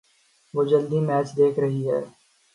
وہ جلدی میچ دیکھ رہی ہے۔